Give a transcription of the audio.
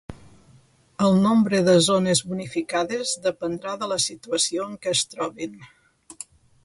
El nombre de zones bonificades dependrà de la situació en què es trobin.